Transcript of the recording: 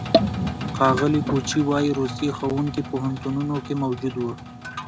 ښاغلي کوچي وايي، روسي ښوونکي پوهنتونونو کې موجود وو.